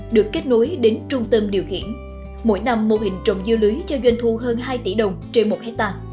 được kết nối đến trung tâm điều khiển mỗi năm mô hình trồng dưa lưới cho doanh thu hơn hai tỷ đồng trên một hectare